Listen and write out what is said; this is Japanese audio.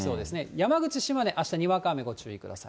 山口、島根、あしたにわか雨ご注意ください。